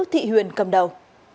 thị huyền cầm đầu